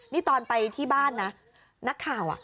นี่ตอนไปที่บ้านนะนักข่าว